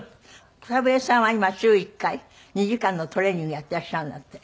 草笛さんは今週１回２時間のトレーニングやっていらっしゃるんだって？